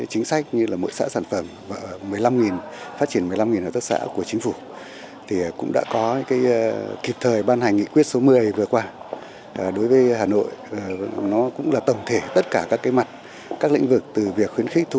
hà nội cũng thực hiện cùng các chính sách như mỗi xã sản phẩm phát triển một mươi năm tất xã của chính phủ